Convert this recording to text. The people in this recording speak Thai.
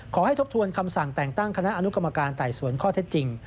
ทบทวนคำสั่งแต่งตั้งคณะอนุกรรมการไต่สวนข้อเท็จจริง